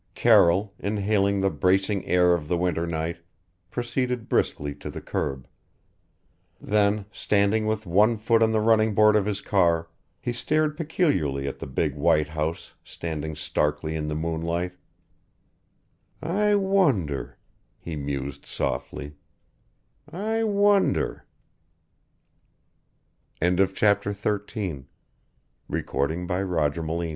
Carroll, inhaling the bracing air of the winter night, proceeded briskly to the curb. Then, standing with one foot on the running board of his car, he stared peculiarly at the big white house standing starkly in the moonlight "I wonder," he mused softly "I wonder " CHAPTER XIV THE SUIT CASE AGAIN Carroll drove direct to his apartm